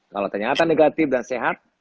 kalau ternyata negatif dan sehat